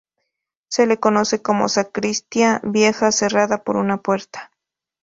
Se le conoce como sacristía vieja, cerrada por una puerta.